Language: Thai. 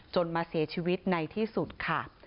มาเสียชีวิตในที่สุดค่ะ